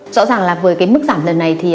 rõ ràng là với cái mức giảm lần này